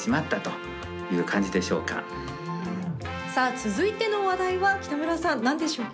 続いての話題は北村さん、何でしょうか？